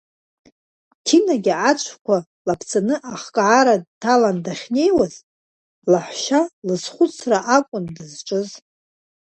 Ҭинагьы, ацәқәа лаԥцаны ахкаара дҭалан дахьнеиуаз, лаҳәшьа лызхәыцра акәын дызҿыз…